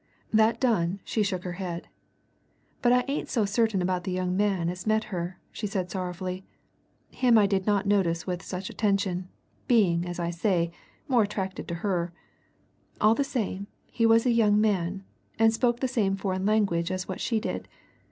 That done, she shook her head. "But I ain't so certain about the young man as met her," she said sorrowfully. "Him I did not notice with such attention, being, as I say, more attracted to her. All the same, he was a young man and spoke the same foreign language as what she did.